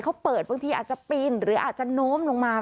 เขาเปิดบางทีอาจจะปีนหรืออาจจะโน้มลงมา